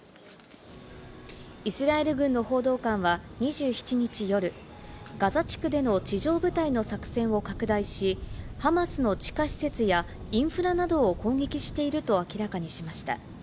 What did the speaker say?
イスラエル軍の報道官は２７日夜、ガザ地区での地上部隊の作戦を拡大し、ハマスの地下施設やインフラなどを攻撃していると明らかにしました。